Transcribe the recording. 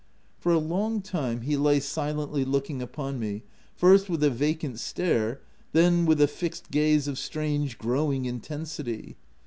For a long time, he lay silently looking upon me, first with a vacant stare, then with a fixed gaze of strange, growing intensity.